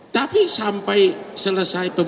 tapi sampai selesai pemilu